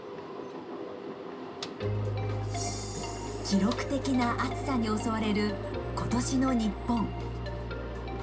記録的な暑さに襲われる今年の日本。